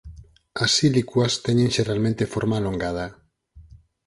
As "sílicuas" teñen xeralmente forma alongada.